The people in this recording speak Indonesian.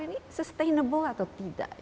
ini sustainable atau tidak